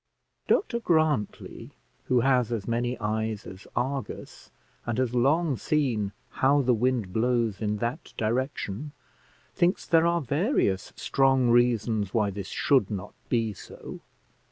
Dr Grantly, who has as many eyes as Argus, and has long seen how the wind blows in that direction, thinks there are various strong reasons why this should not be so.